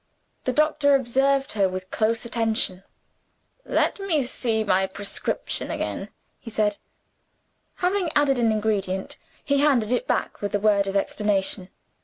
The doctor observed her with close attention. "Let me see my prescription again," he said. Having added an ingredient, he handed it back with a word of explanation.